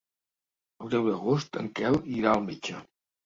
El deu d'agost en Quel irà al metge.